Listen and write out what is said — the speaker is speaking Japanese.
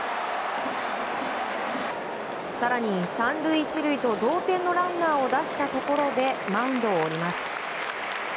更に３塁１塁と同点のランナーを出したところでマウンドを降ります。